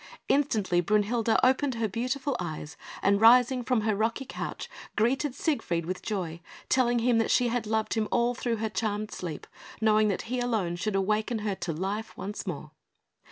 Instantly Brünhilde opened her beautiful eyes, and rising from her rocky couch greeted Siegfried with joy, telling him that she had loved him all through her charmed sleep, knowing that he alone should awaken her to life once more.